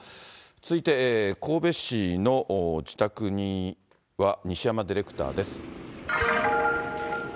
続いて神戸市の自宅には西山ディレクターです。